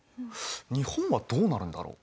日本はどうなるんだろう？